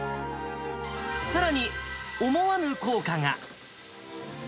さらに、思わぬ効果が。